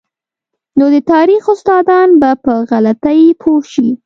نو د تاریخ استادان به په غلطۍ پوه شي.